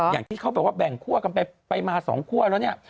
อย่างที่เขาบอกว่าแบ่งคั่วกันไปไปมาสองคั่วแล้ว